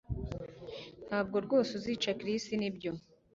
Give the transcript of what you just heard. Ntabwo rwose uzica Chris nibyo